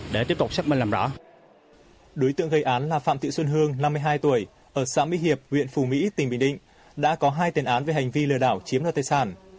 đối tượng gây án là phạm thị xuân hương năm mươi hai tuổi ở xã mỹ hiệp huyện phù mỹ tỉnh bình định đã có hai tiền án về hành vi lừa đảo chiếm đoạt tài sản